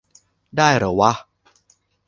ได้เหรอวะ ?